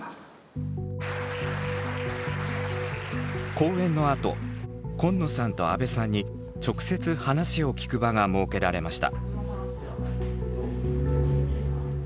講演のあと紺野さんと阿部さんに直接話を聞く場が設けられました。